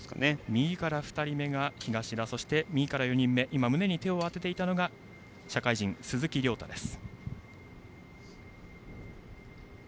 右から２人目が東田で右から４人目胸に手を当てていたのが社会人の鈴木涼太です。